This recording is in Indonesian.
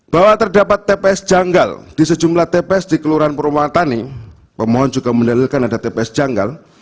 bahwa terdapat tps janggal di sejumlah tps di kelurahan perumah tani pemohon juga mendalilkan ada tps janggal